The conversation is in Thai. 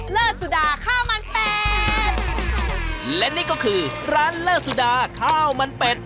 เลิศสุดาข้าวมันแปดและนี่ก็คือร้านเลอร์สุดาข้าวมันเป็ด